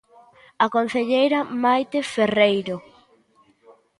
A concelleira Maite Ferreiro.